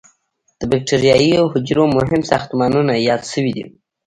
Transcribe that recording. د بکټریايي حجرو مهم ساختمانونه یاد شوي دي.